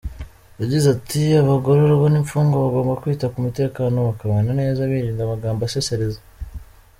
Yagize ati’’Abagororwa n’imfungwa bagomba kwita k’umutekano bakabana neza birinda amagambo asesereza.